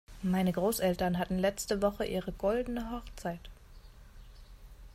Meine Großeltern hatten letzte Woche ihre goldene Hochzeit.